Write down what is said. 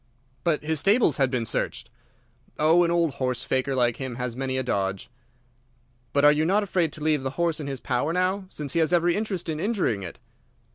"But his stables had been searched?" "Oh, an old horse faker like him has many a dodge." "But are you not afraid to leave the horse in his power now, since he has every interest in injuring it?"